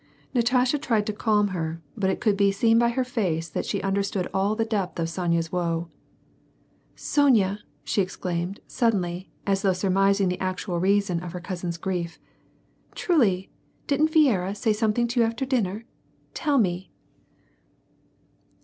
Natasha tried to calm her, but it could be seen by her face that she understood all the dej)th of Sonya's woe. "Sonya!" she exclaimed, suddenly, as though surmising the actual reason of her cousin's grief, "truly, didn't Viera say something to you after dinner ? Tell me I " 78 WAR AND PEACE.